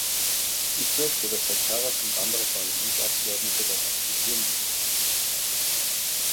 Ich fürchte, dass Herr Karas und andere Parlamentsabgeordnete das akzeptieren müssen.